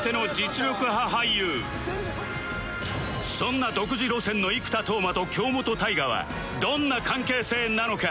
そんな独自路線の生田斗真と京本大我はどんな関係性なのか？